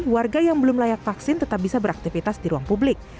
warga yang belum layak vaksin tetap bisa beraktivitas di ruang publik